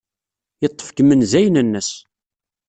Yeḍḍef deg yimenzayen-nnes.